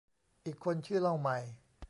อีกคนชื่อเล่าใหม่